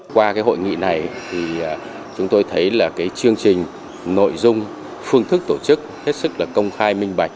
qua hội nghị này chúng tôi thấy chương trình nội dung phương thức tổ chức hết sức công khai minh bạch